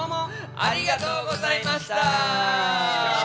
ありがとうございます。